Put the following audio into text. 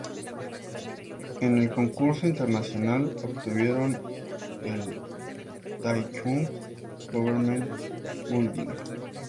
En el concurso internacional obtuvieron el Taichung Government Building.